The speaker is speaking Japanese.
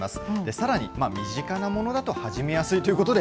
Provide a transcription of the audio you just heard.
さらに、身近なものだと始めやすいということで。